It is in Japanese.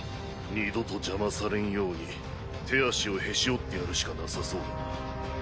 二度と邪魔されんように手足をへし折ってやるしかなさそうだな。